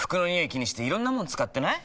気にしていろんなもの使ってない？